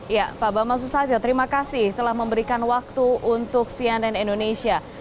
ya pak bambang susatyo terima kasih telah memberikan waktu untuk cnn indonesia